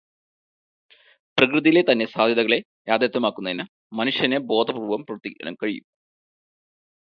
പ്രകൃതിയിലെ തന്നെ സാധ്യതകളെ യാഥാർഥ്യമാക്കുന്നതിൽ മനുഷ്യന് ബോധപൂർവം പ്രയത്നിക്കാൻ കഴിയും.